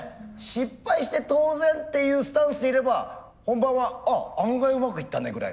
失敗して当然っていうスタンスでいれば本番は「あ案外うまくいったね」ぐらいの。